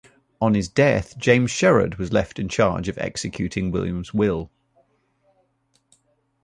On his death James Sherard was left in charge of executing William's will.